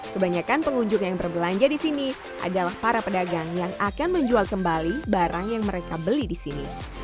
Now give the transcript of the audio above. kebanyakan pengunjung yang berbelanja di sini adalah para pedagang yang akan menjual kembali barang yang mereka beli di sini